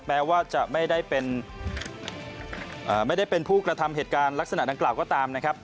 แม้ว่าจะไม่ได้เป็นผู้กระทำเหตุการณ์ลักษณะดังกล่าก็ตาม